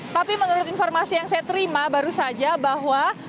tapi menurut informasi yang saya terima baru saja bahwa